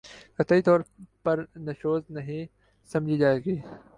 قطعی طور پر نشوزنہیں سمجھی جائے گی